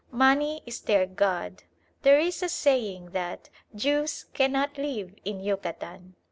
Money is their god. There is a saying that "Jews cannot live in Yucatan."